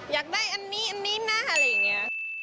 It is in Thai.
อยากได้อันนี้อันนี้นะอะไรอย่างนี้